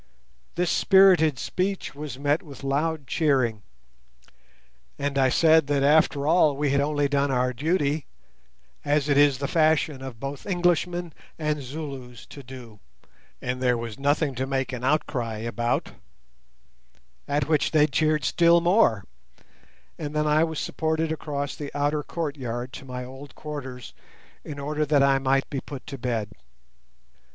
This spirited speech was met with loud cheering, and I said that after all we had only done our duty, as it is the fashion of both Englishmen and Zulus to do, and there was nothing to make an outcry about; at which they cheered still more, and then I was supported across the outer courtyard to my old quarters, in order that I might be put to bed.